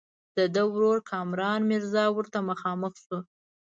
د ده ورور کامران میرزا ورته مخامخ شو.